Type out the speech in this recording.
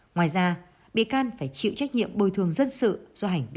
ngoài ra bị can phải chịu trách nhiệm bồi thường dân sự do hành vi